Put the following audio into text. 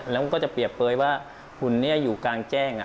แล้วมันก็จะเปรียบเปลยว่าหุ่นนี้อยู่กลางแจ้ง